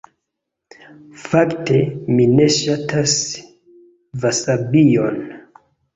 Fakte, mi ne ŝatas vasabion.